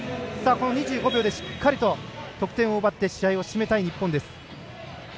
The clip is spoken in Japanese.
２５秒でしっかりと得点を奪って試合を締めたい日本。